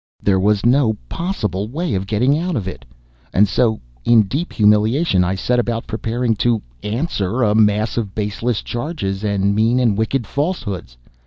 There was no possible way of getting out of it, and so, in deep humiliation, I set about preparing to "answer" a mass of baseless charges and mean and wicked falsehoods.